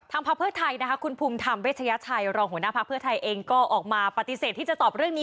พักเพื่อไทยนะคะคุณภูมิธรรมเวชยชัยรองหัวหน้าพักเพื่อไทยเองก็ออกมาปฏิเสธที่จะตอบเรื่องนี้